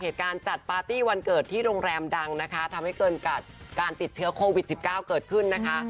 ทำให้เกิดการติดเชื้อโควิด๑๙เกิดขึ้นนะคะ